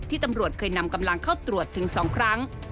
ตำรวจเคยนำกำลังเข้าตรวจถึง๒ครั้ง